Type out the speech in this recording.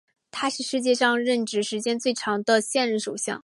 他是世界上任职时间最长的现任首相。